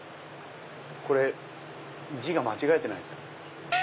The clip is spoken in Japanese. これ字が間違えてないですか？